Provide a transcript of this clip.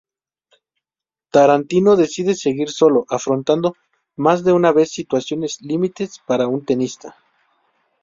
Tarantino decide seguir solo, afrontando, más de una vez, situaciones límites para un tenista.